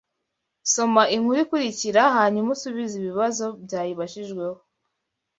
Soma inkuru ikurikira hanyuma usubize ibibazo byayibajijweho